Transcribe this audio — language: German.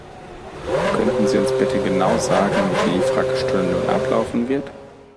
Könnten Sie uns bitte genau sagen, wie die Fragestunde nun ablaufen wird?